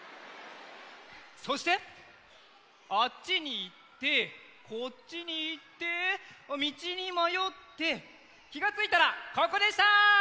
そしてあっちにいってこっちにいってみちにまよってきがついたらここでした！